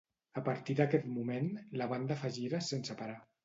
A partir d'aquest moment, la banda fa gires sense parar.